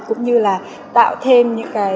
cũng như là tạo thêm